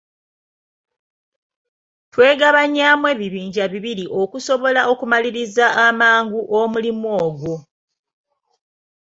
Twegabanyaamu ebibinja bibiri okusobola okumaliriza amangu omulimu ogwo.